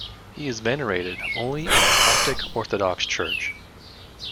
He is venerated only in the Coptic Orthodox Church.